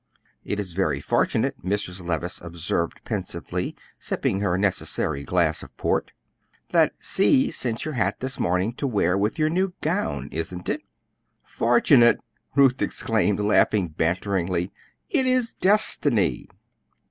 "It is very fortunate," Mrs. Levice observed pensively, sipping her necessary glass of port, "that C sent your hat this morning to wear with your new gown. Isn't it?" "Fortunate!" Ruth exclaimed, laughing banteringly; "it is destiny."